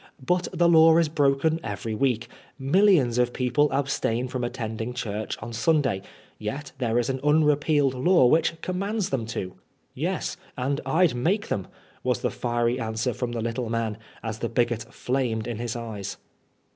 But the law is broken every week. Millions of people abstain from attending church on Sunday, yet there is an unrepealed law which commands them to." " Yes, and I'd make them," was the fiery answer from the little man, as the bigot flamed in his eyes.